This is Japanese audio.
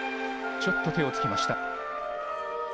ちょっと手をつきました。